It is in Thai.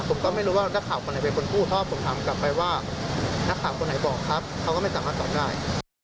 ผมก็ไม่รู้ว่านักข่าวคนไหนเป็นคนพูดเพราะว่าผมถามกลับไปว่านักข่าวคนไหนบอกครับเขาก็ไม่สามารถตอบได้